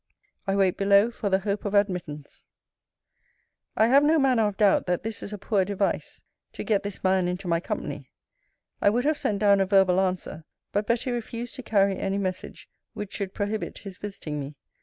I wait below for the hope of admittance. I have no manner of doubt, that this is a poor device to get this man into my company. I would have sent down a verbal answer; but Betty refused to carry any message, which should prohibit his visiting me.